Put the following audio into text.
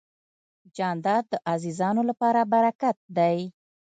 جانداد د عزیزانو لپاره برکت دی.